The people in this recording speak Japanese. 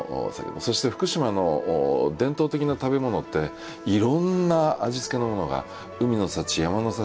そして福島の伝統的な食べ物っていろんな味付けのものが海の幸山の幸